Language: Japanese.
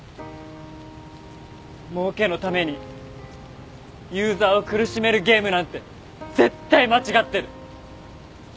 もうけのためにユーザーを苦しめるゲームなんて絶対間違ってる。